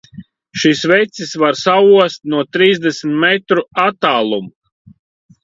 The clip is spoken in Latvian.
Šis vecis var saost no trīsdesmit metru attāluma!